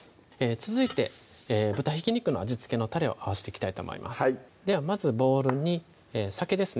続いて豚ひき肉の味付けのたれを合わせていきたいと思いますではまずボウルに酒ですね